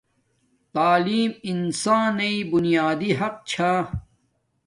تعلیم انسان نݵ بییادی حق چھا